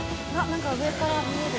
何か上から見える。